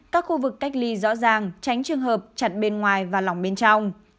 các khu vực cách ly rõ ràng tránh trường hợp chặt bên ngoài và lỏng bên trong